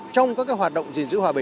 trong các hoạt động gì